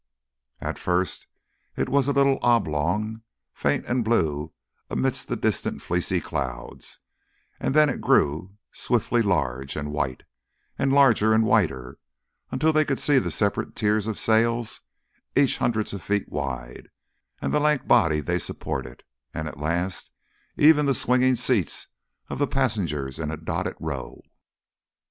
At first it was a little oblong, faint and blue amidst the distant fleecy clouds; and then it grew swiftly large and white, and larger and whiter, until they could see the separate tiers of sails, each hundreds of feet wide, and the lank body they supported, and at last even the swinging seats of the passengers in a dotted row.